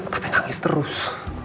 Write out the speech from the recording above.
tapi nangis terus